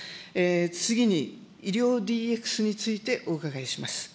次に、医療ＤＸについてお伺いします。